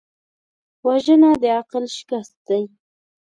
وژنه د عقل شکست دی